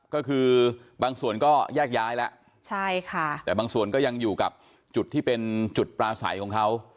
ก็คือบางส่วนก็แยกย้ายแล้วใช่ค่ะแต่บางส่วนก็ยังอยู่กับจุดที่เป็นจุดปลาใสของเขา